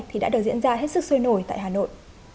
thì đã được diễn ra hết sức sôi nổi tại hà nội